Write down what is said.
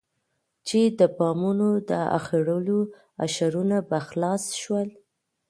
چې د بامونو د اخېړولو اشرونه به خلاص شول.